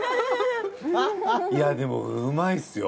いやでも美味いっすよ。